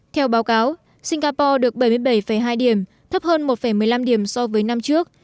theo báo cáo singapore được bảy mươi bảy hai điểm thấp hơn một một mươi năm điểm so với năm trước